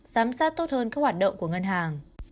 giám sát tốt hơn các hoạt động của ngân hàng